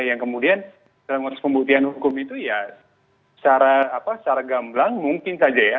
yang kemudian dalam konteks pembuktian hukum itu ya secara gamblang mungkin saja ya